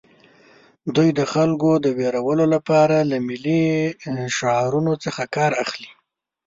دوی د خلکو د ویرولو لپاره له ملي شعارونو څخه کار اخلي